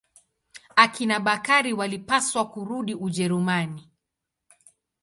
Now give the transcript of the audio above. Akina Bakari walipaswa kurudi Ujerumani.